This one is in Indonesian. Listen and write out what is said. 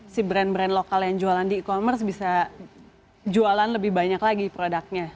si brand brand lokal yang jualan di e commerce bisa jualan lebih banyak lagi produknya